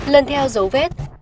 lần theo dấu vết